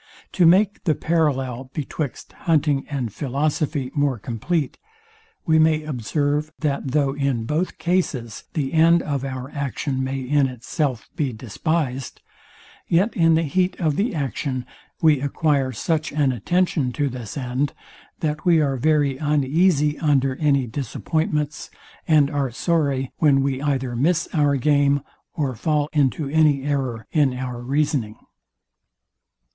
To make the parallel betwixt hunting and philosophy more compleat, we may observe, that though in both cases the end of our action may in itself be despised, yet in the heat of the action we acquire such an attention to this end, that we are very uneasy under any disappointments, and are sorry when we either miss our game, or fall into any error in our reasoning.